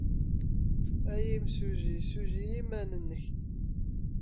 A imsujji, ssujji iman-nnek.